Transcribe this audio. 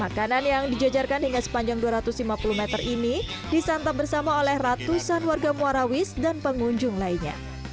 makanan yang dijajarkan hingga sepanjang dua ratus lima puluh meter ini disantap bersama oleh ratusan warga muarawis dan pengunjung lainnya